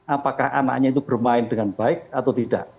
apakah anaknya itu bermain dengan baik atau tidak